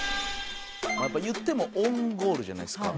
言ってもオウンゴールじゃないですか。